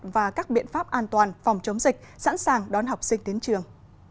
và các biện pháp an toàn phòng chống dịch sẵn sàng đón học sinh đến trường